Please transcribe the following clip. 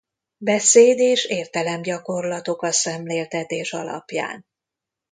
Beszéd- és értelem-gyakorlatok a szemléltetés alapján.